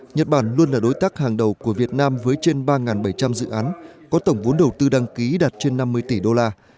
nhật bản luôn là đối tác hàng đầu của việt nam với trên ba bảy trăm linh dự án có tổng vốn đầu tư đăng ký đạt trên năm mươi tỷ đô la